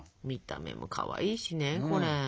見た目もかわいいしねこれ。